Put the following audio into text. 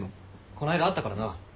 こないだ会ったからな。